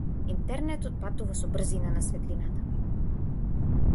Интернетот патува со брзина на светлината.